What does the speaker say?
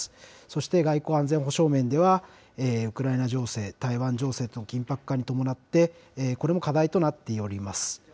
そして外交・安全保障面では、ウクライナ情勢、台湾情勢の緊迫化に伴って、これも課題となっております。